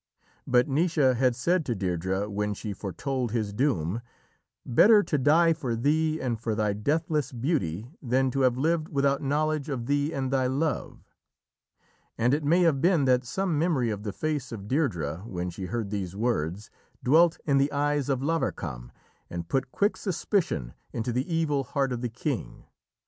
But Naoise had said to Deirdrê when she foretold his doom: "Better to die for thee and for thy deathless beauty than to have lived without knowledge of thee and thy love," and it may have been that some memory of the face of Deirdrê, when she heard these words, dwelt in the eyes of Lavarcam and put quick suspicion into the evil heart of the king.